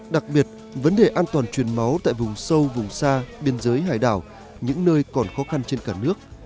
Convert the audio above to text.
đặc biệt vấn đề an toàn truyền máu tại vùng sâu vùng xa biên giới hải đảo những nơi còn khó khăn trên cả nước